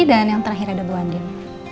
dan yang terakhir ada bu andin